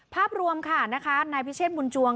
ภาพรวมค่ะนะคะนายพิเชษบุญจวง